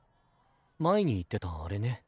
前に言ってたあれね。